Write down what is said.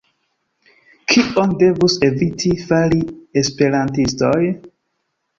Kion devus eviti fari esperantistoj?